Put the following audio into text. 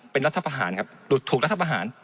เป็นรัฐประหารครับถูกรัฐประหาร